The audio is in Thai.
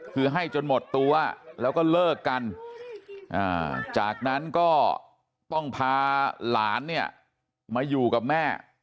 คือให้จนหมดตัวแล้วก็เลิกกันจากนั้นก็ต้องพาหลานเนี่ยมาอยู่กับแม่